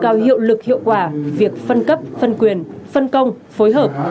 có đủ lực hiệu quả việc phân cấp phân quyền phân công phối hợp